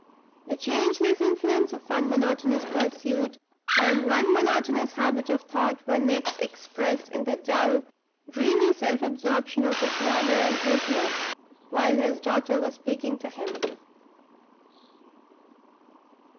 The changeless influence of one monotonous pursuit and one monotonous habit of thought was next expressed in the dull, dreamy self absorption of his manner and his look while his daughter was speaking to him.